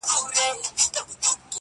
چي نه لري سړي، نه دي کورت خوري، نه غوړي.